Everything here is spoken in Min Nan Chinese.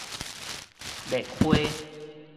剺花